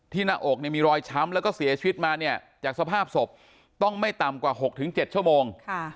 หน้าอกมีรอยช้ำแล้วก็เสียชีวิตมาเนี่ยจากสภาพศพต้องไม่ต่ำกว่า๖๗ชั่วโมง